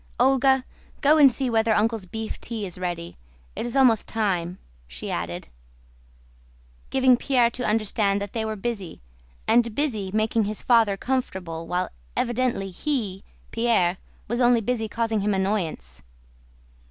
Olga, go and see whether Uncle's beef tea is ready—it is almost time," she added, giving Pierre to understand that they were busy, and busy making his father comfortable, while evidently he, Pierre, was only busy causing him annoyance.